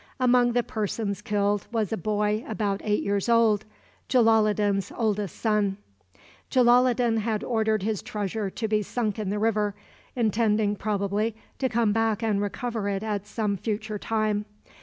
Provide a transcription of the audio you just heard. Among the persons killed was a boy about eight years old, Jalaloddin's oldest son. Jalaloddin had ordered his treasure to be sunk in the river, intending, probably, to come back and recover it at some future time.